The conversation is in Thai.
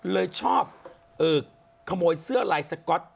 เลยชอบขโมยเสื้อลายสก๊อต